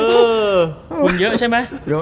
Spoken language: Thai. คุณเยอะใช่มั้ย